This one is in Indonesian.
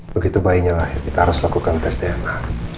begitu bayinya lahir kita harus lakukan tes dna